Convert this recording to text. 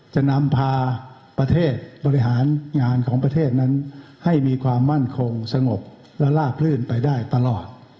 จะนำพาประเทศบริหารงานของประเทศนั้นให้มีความมั่นคงสงบและลาบลื่นไปได้ตลอด